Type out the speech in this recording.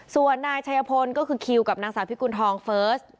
ส่วนนายชัยพลก็คือคิวกับนางสาวพิกุณฑองเฟิร์ส